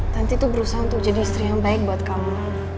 nanti itu berusaha untuk jadi istri yang baik buat kamu